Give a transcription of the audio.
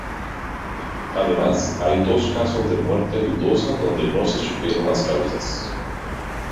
Además, hay dos casos de muerte dudosa donde no se supieron las causas.